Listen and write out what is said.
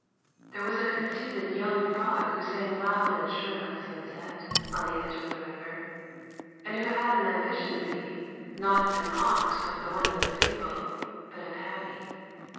There was a conceited young frog who sang loud and shrill at sunset on the edge of the river and who had an ambition to be, not an ox like the one in the fable, but a Patti.